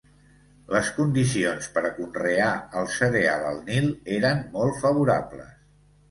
Les condicions per a conrear el cereal al Nil eren molt favorables.